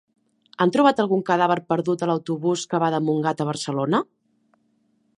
Han trobat algun cadàver perdut a l'autobús que va de Montgat a Barcelona?